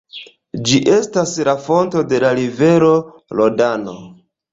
Ĝi estas la fonto de la rivero Rodano.